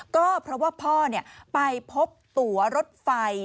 ก็เพราะว่าพ่อไปพบตัวรถไฟ